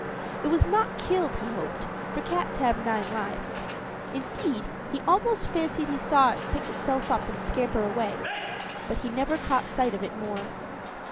It was not killed, he hoped, for cats have nine lives; indeed, he almost fancied he saw it pick itself up and scamper away; but he never caught sight of it more.